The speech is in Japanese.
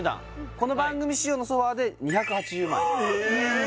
この番組仕様のソファで２８０万えっ！？